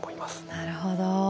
なるほど。